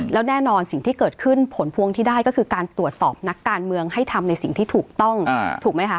แล้วแน่นอนสิ่งที่เกิดขึ้นผลพวงที่ได้ก็คือการตรวจสอบนักการเมืองให้ทำในสิ่งที่ถูกต้องถูกไหมคะ